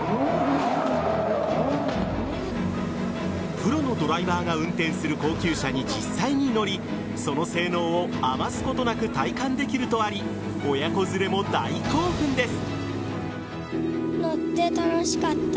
プロのドライバーが運転する高級車に実際に乗りその性能を余すことなく体感できるとあり親子連れも大興奮です。